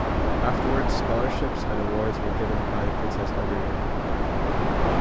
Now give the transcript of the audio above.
Afterwards scholarships and awards were given by the Princess every year.